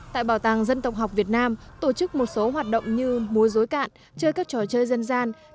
tại bảo tàng dân tộc học việt nam tổ chức một số hoạt động như múa dối cạn chơi các trò chơi dân gian